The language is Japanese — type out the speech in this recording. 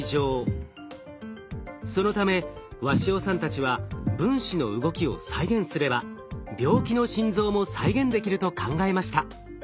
そのため鷲尾さんたちは分子の動きを再現すれば病気の心臓も再現できると考えました。